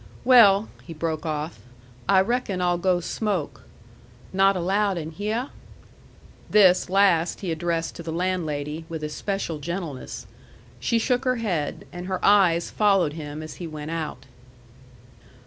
Well," he broke off, "I reckon I'll go smoke. Not allowed in hyeh?" This last he addressed to the landlady, with especial gentleness. She shook her head, and her eyes followed him as he went out.